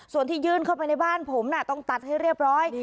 ส่วนที่ยื่นเข้าไปในบ้านผมน่ะต้องตัดให้เรียบร้อย